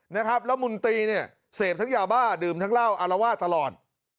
นะครับแล้วมุนตีเนี่ยเสพทั้งยาบ้าดื่มทั้งเหล้าอารวาสตลอด